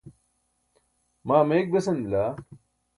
maa meyik besan bila.